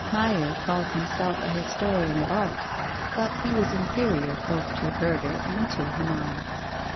Meier called himself a historian of art, but he was inferior both to Herder and to Hamann.